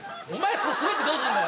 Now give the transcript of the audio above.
ここ滑ってどうすんだよ！